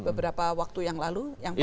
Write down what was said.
beberapa waktu yang lalu yang